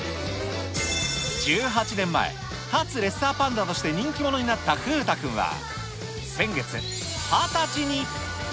１８年前、立つレッサーパンダとして人気者になった風太くんは、先月、２０歳に。